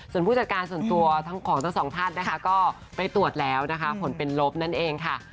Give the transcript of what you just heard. ส่วนผู้จัดการส่วนตัวทั้งของทั้งสองท่านนะคะก็ไปตรวจแล้วนะคะผลเป็นลบนั่นเองค่ะ